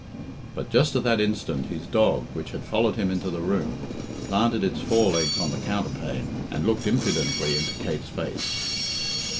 But just at that instant his dog, which had followed him into the room, planted its forelegs on the counterpane and looked impudently into Kate's face.